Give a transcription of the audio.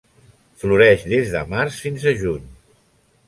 Floreix des de març fins a juny.